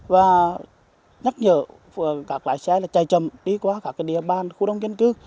và nhắc nhở các lái xe chạy chậm đi qua các địa bàn khu đông dân cư